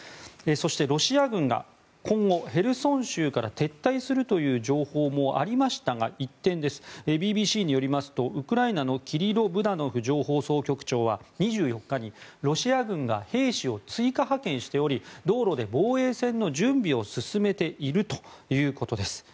そして、ロシア軍が今後へルソン州から撤退するという情報もありましたが一転、ＢＢＣによりますとウクライナのキリロ・ブダノフ情報総局長は２４日に、ロシア軍が兵士を追加派遣しており道路で防衛戦の準備を進めているということです。